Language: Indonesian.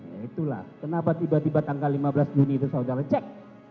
ya itulah kenapa tiba tiba tanggal lima belas juni itu saudara cek